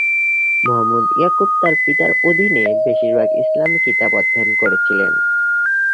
মুহাম্মদ ইয়াকুব তাঁর পিতার অধীনে বেশিরভাগ ইসলামি কিতাব অধ্যয়ন করেছিলেন।